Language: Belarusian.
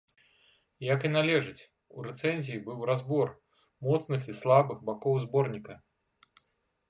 Як і належыць, у рэцэнзіі быў разбор моцных і слабых бакоў зборніка.